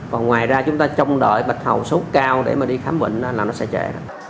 còn ngoài ra chúng ta trông đợi bạch hầu số cao để mà đi khám bệnh là nó sẽ trễ